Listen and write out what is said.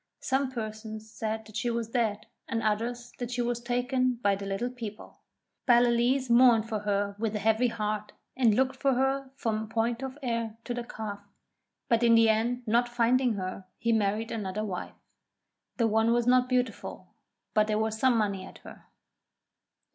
Some persons said that she was dead and others that she was taken by the Little People. Ballaleece mourned for her with a heavy heart and looked for her from Point of Ayr to the Calf; but in the end, not finding her, he married another wife. This one was not beautiful, but there was some money at her.